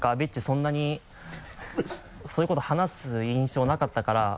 そんなにそういうこと話す印象なかったから。